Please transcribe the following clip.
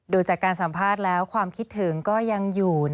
จากการสัมภาษณ์แล้วความคิดถึงก็ยังอยู่